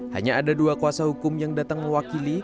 hanya ada dua kuasa hukum yang datang mewakili